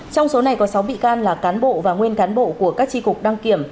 trong số này có sáu bị can là cán bộ và nguyên cán bộ của các tri cục đăng kiểm